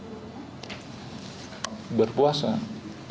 pasien berpuasa sebelumnya